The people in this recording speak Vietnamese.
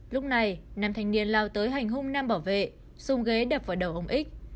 lúc này nam thanh niên lao tới hành hung nam bảo vệ xung ghế đập vào đầu ông x